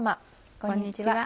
こんにちは。